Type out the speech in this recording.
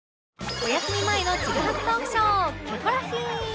お休み前のちぐはぐトークショー